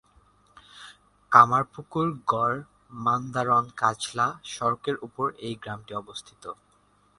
কামারপুকুর-গড় মান্দারণ-কাজলা সড়কের ওপর এই গ্রামটি অবস্থিত।